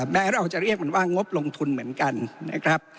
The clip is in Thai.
แม้เราจะเรียกมันว่างบลงทุนเหมือนกันนะครับ